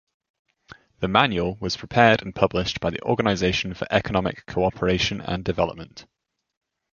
The Manual was prepared and published by the Organisation for Economic Co-operation and Development.